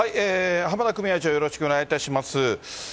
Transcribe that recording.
濱田組合長、よろしくお願いいたします。